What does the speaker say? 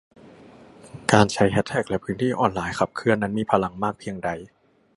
การใช้แฮชแท็กและพื้นที่ออนไลน์ขับเคลื่อนนั้นมีพลังมากเพียงใด